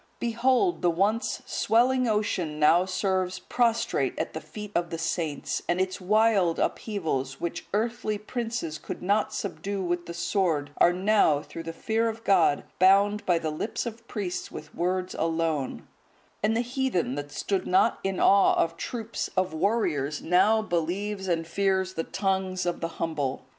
Behold, the once swelling ocean now serves prostrate at the feet of the saints; and its wild upheavals, which earthly princes could not subdue with the sword, are now, through the fear of God, bound by the lips of priests with words alone; and the heathen that stood not in awe of troops of warriors, now believes and fears the tongues of the humble!